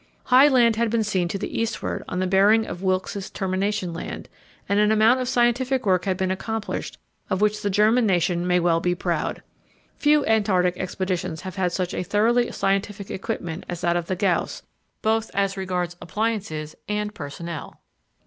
High land had been seen to the eastward on the bearing of Wilkes's Termination Land, and an amount of scientific work had been accomplished of which the German nation may well be proud. Few Antarctic expeditions have had such a thoroughly scientific equipment as that of the Gauss, both as regards appliances and personnel.